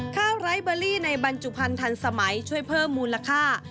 ข้าวไร้เบอรี่ในบัญจุพันธุ์ทันสมัยช่วยเพิ่มมูลค่า